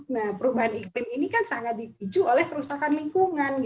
nah perubahan iklim ini kan sangat dipicu oleh kerusakan lingkungan